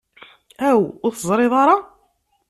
Aw, ur teẓrid ara?